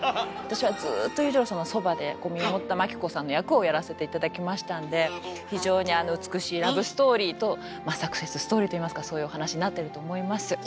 私はずっと裕次郎さんのそばでこう見守ったまき子さんの役をやらせて頂きましたんで非常に美しいラブストーリーとサクセスストーリーと言いますかそういうお話になってると思います。